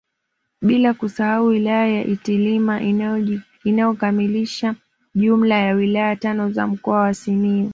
Bila kusahau wilaya ya Itilima inayokamilisha jumla ya wilaya tano za mkoa wa Simiyu